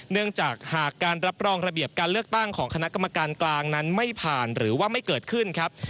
เนื่องจากหากการรับรองระเบียบการเลือกตั้งของคณะกรรมการกลางนั้นไม่ผ่านหรือว่าไม่เกิดขึ้นครับ